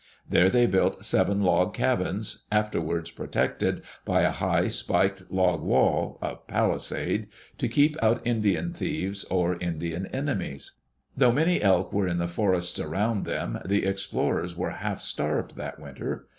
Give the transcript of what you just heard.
There they built seven log cabins, after wards protected by a high, spiked log wall — a palisade — to keep out Indian thieves or Indian enemies. Though many elk were in the forests around them, the explorers were half starved that winter.